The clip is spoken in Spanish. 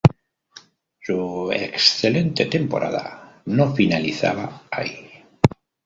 Su excelente temporada no finalizaba ahí.